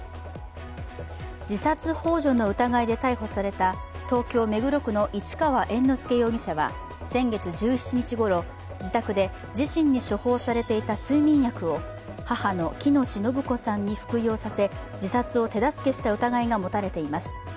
自殺ほう助の疑いで逮捕された東京・目黒区の市川猿之助容疑者は、先月１７日ごろ、自宅で自身に処方されていた睡眠薬を母の喜熨斗延子さんに服用させ自殺を手助けした疑いが持たれています。